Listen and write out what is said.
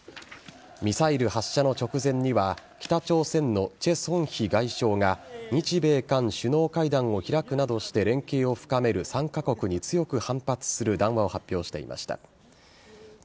ミサイル発射の直前には北朝鮮のチェ・ソンヒ外相が日・米・韓首脳会談を開くなどして連携を深める３カ国に強く反発する談話を発表していました。